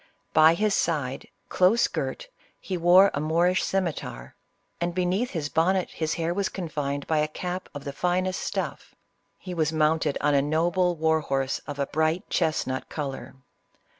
By his side, close girt, he wore a Moorish scimiter, and beneath his bonnet his hair was confined by a cap of the finest stuff. He was mounted on a noble war horse of a bright chestnut color."